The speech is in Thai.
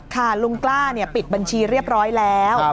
ลุงกล้าปิดบัญชีเรียบร้อยแล้ว